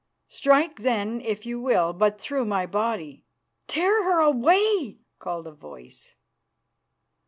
Strike, then, if you will, but through my body." "Tear her away!" called a voice.